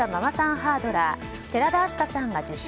ハードラー寺田明日香さんが受賞。